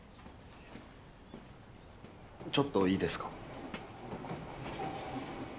ちょっといいですか？